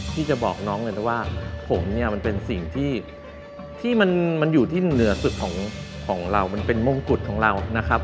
ที่จะบอกน้องเลยนะว่าผมเนี่ยมันเป็นสิ่งที่มันอยู่ที่เหนือสุดของเรามันเป็นมงกุฎของเรานะครับ